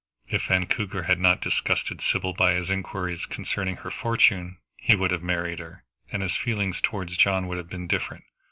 If Vancouver had not disgusted Sybil by his inquiries concerning her fortune, he would have married her, and his feelings towards John would have been different.